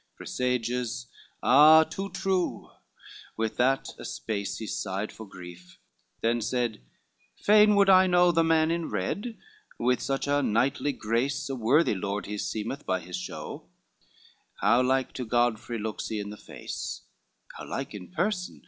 LXI "Presages, ah too true:" with that a space He sighed for grief, then said, "Fain would I know The man in red, with such a knightly grace, A worthy lord he seemeth by his show, How like to Godfrey looks he in the face, How like in person!